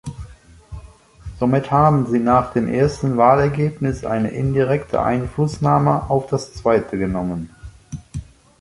Somit haben Sie nach dem ersten Wahlergebnis eine indirekte Einflussnahme auf das zweite genommen.